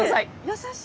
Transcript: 優しい！